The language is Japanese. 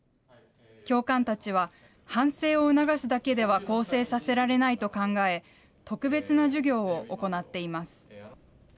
教官たちは、反省を促すだけでは更生させられないと考え、特別な授業を行っています。